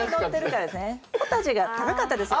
ポタジェが高かったですよね。